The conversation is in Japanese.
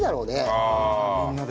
みんなで。